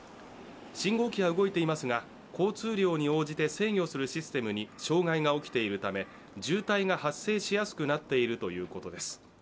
信号機は動いていますが交通量に応じて制御するシステムに障害が起きているため、渋滞が発生しやすくなっているということです。